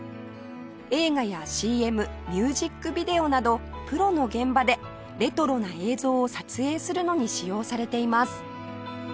映画や ＣＭ ミュージックビデオなどプロの現場でレトロな映像を撮影するのに使用されています